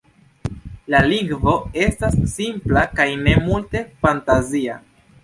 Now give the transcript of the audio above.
La lingvo estas simpla kaj ne multe fantazia.